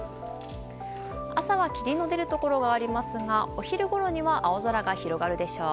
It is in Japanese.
朝は霧の出るところがありますがお昼ごろには青空が広がるでしょう。